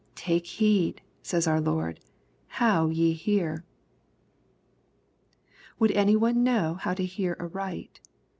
" Take heed," says our Lord, "how ye hear." Would any one know how to hear aright